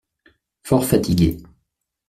Fort fatigué.